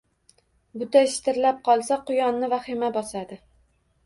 Buta shitirlab qolsa quyonni vahima bosadi